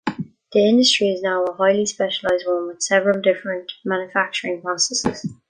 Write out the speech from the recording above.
The industry is now a highly specialized one with several different manufacturing processes.